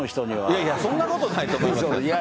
いやいや、そんなことないと思いますよ。